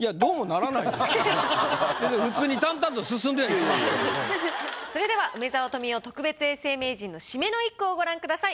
いやいやそれでは梅沢富美男特別永世名人の締めの一句をご覧ください。